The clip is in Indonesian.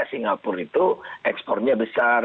singapura itu ekspornya besar